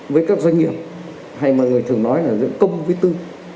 với các doanh nghiệp hay mọi người thường nói là giữa công với tư